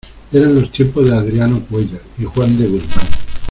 eran los tiempos de Adriano Cuéllar y Juan de Guzmán.